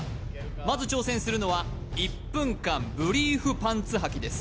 まず挑戦するのは１分間ブリーフパンツはきです